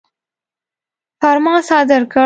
فرمان صادر کړ.